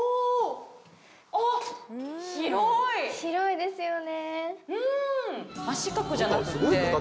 広いですよね。